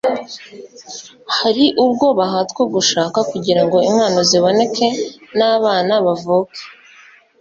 hari ubwo bahatwa gushaka kugirango inkwano ziboneke, n'abana bavuke